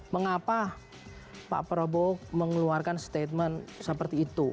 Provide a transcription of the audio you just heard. mengapa pak prabowo mengeluarkan statement seperti itu